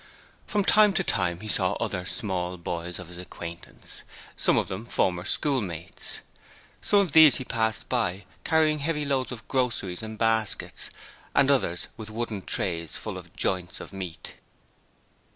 From time to time he saw other small boys of his acquaintance, some of them former schoolmates. Some of these passed by carrying heavy loads of groceries in baskets, and others with wooden trays full of joints of meat.